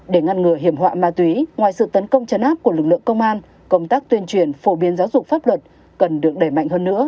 để ngăn ngừa hiểm họa ma túy ngoài sự tấn công chấn áp của lực lượng công an công tác tuyên truyền phổ biến giáo dục pháp luật cần được đẩy mạnh hơn nữa